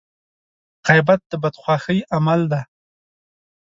غيبت د بدخواهي عمل دی.